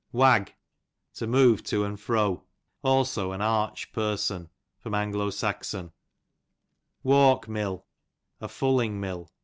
Wag, to move to and fro ; also an arch person. A. S. Walk mill, a fulling mill.